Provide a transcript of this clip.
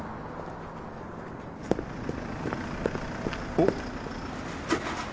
おっ！